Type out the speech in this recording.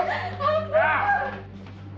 mas aku mau